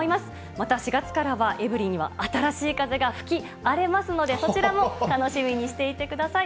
また４月からは、エブリィには新しい風が吹き荒れますので、そちらも楽しみにしていてください。